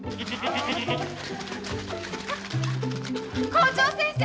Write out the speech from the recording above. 校長先生